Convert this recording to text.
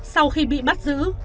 sau khi bị bắt giữ